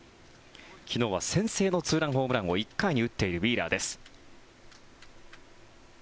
昨日は先制のツーランホームランを１回に打っているウィーラーです。